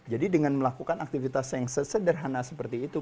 jadi dengan melakukan aktivitas yang sederhana seperti itu